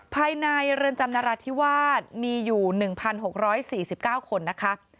ภายในเรือนจำนราธิวาสมีอยู่๑๖๔๙คนนะคะ